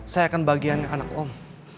saya akan bagian anak om